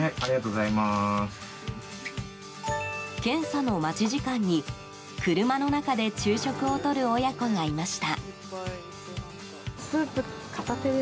検査の待ち時間に、車の中で昼食をとる親子がいました。